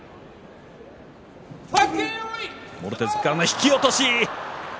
引き落とし。